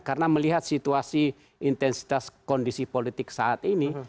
karena melihat situasi intensitas kondisi politik saat ini